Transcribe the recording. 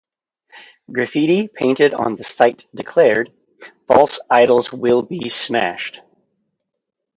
Graffiti painted on the site declared: False idols will be smashed!